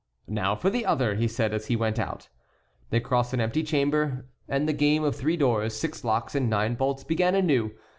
"Now for the other," he said as he went out. They crossed an empty chamber, and the game of three doors, six locks, and nine bolts began anew.